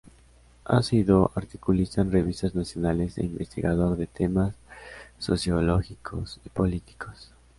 Ha sido articulista en revistas nacionales e investigador de temas sociológicos y políticos.